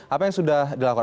apa yang sudah dilakukan